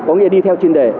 có nghĩa đi theo chuyên đề